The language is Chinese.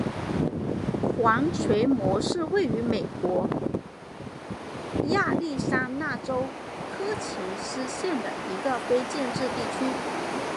黄锤磨是位于美国亚利桑那州科奇斯县的一个非建制地区。